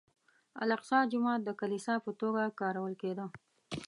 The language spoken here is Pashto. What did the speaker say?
الاقصی جومات د کلیسا په توګه کارول کېده.